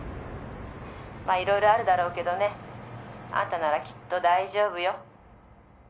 「まあいろいろあるだろうけどアンタならきっと大丈夫よ」